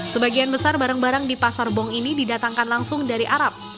sebagian besar barang barang di pasar bong ini didatangkan langsung dari arab